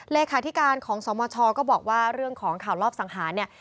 เลขาธิการของสมชก็บอกว่าเรื่องของข่าวลอบสังหารเนี่ย